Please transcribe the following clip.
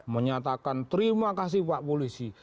menyatakan terima kasih pak polisi